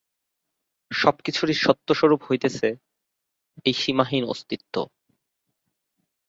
সব-কিছুরই সত্যস্বরূপ হইতেছে এই সীমাহীন অস্তিত্ব।